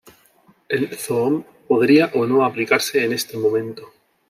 El zoom podría o no aplicarse en este momento.